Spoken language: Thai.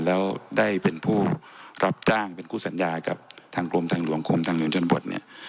แล้วได้เป็นผู้รับจ้างเป็นคู่สัญญากับทางกรมทางหลวงกรมทางหลวงชนบทเนี่ย